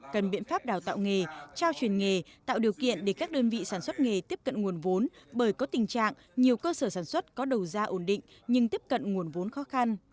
cần biện pháp đào tạo nghề trao truyền nghề tạo điều kiện để các đơn vị sản xuất nghề tiếp cận nguồn vốn bởi có tình trạng nhiều cơ sở sản xuất có đầu ra ổn định nhưng tiếp cận nguồn vốn khó khăn